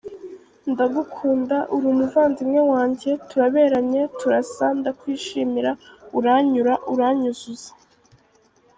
Ndagukunda, uri umuvandimwe wanjye, turaberanye, turasa, ndakwishimira, uranyura, uranyuzuza,….